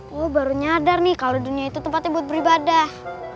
lu baru nyadar nih kalo dunia itu tempatnya buat beribadah